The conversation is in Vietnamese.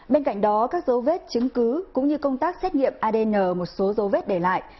bên cạnh đó các dấu vết chứng cứ cũng như công tác xét nghiệm adn một số dấu vết để lại